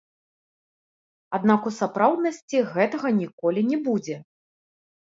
Аднак у сапраўднасці гэтага ніколі не будзе.